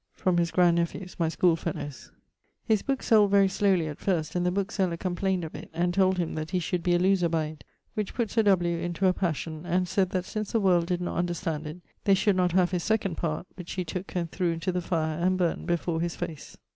[LXXVI.] From his grand nephews my school fellowes. His booke sold very slowly at first, and the bookeseller complayned of it, and told him that he should be a looser by it, which put Sir W. into a passion; and sayd that since the world did not understand it, they should not have his second part, which he tooke and threw into the fire, and burnt before his face.